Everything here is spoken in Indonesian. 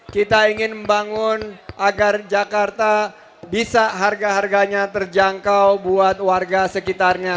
kita ingin membangun agar jakarta bisa harga harganya terjangkau buat warga sekitarnya